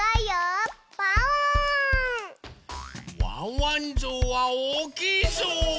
ワンワンぞうはおおきいぞう！